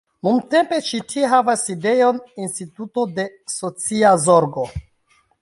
Nuntempe ĉi tie havas sidejon instituto de socia zorgo.